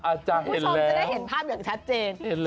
อาจารย์เห็นแล้วจะได้เห็นภาพอย่างชัดเจน